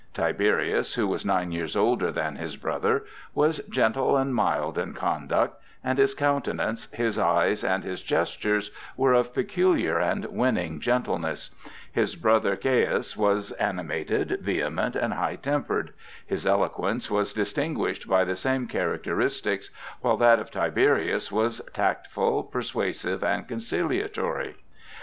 Tiberius, who was nine years older than his brother, was gentle and mild in conduct; and his countenance, his eyes, and his gestures were of peculiar and winning gentleness. His brother Caius was animated, vehement, and high tempered. His eloquence was distinguished by the same characteristics, while that of Tiberius was tactful, persuasive, and conciliatory.